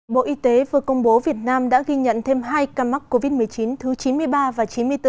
bộ y tế vừa công bố việt nam đã ghi nhận thêm hai ca mắc covid một mươi chín thứ chín mươi ba và chín mươi bốn